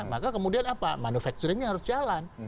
maka kemudian apa manufacturingnya harus jalan